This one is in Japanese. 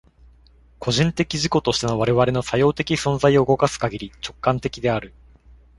個人的自己としての我々の作用的存在を動かすかぎり、直観的である。